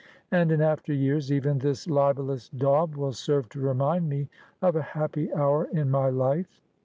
And, in after years, even this libellous daub will serve to remind me of a happy hour in my life.'